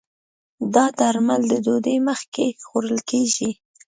دا درمل د ډوډی مخکې خوړل کېږي